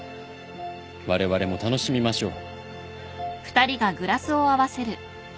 われわれも楽しみましょう。